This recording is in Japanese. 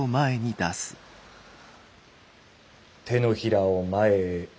手のひらを前へ。